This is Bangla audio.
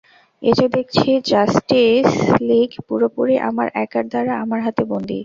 এ যে দেখছি জাস্টিস লীগ, পুরোপুরি আমার একার দ্বারা, আমার হাতে বন্দি।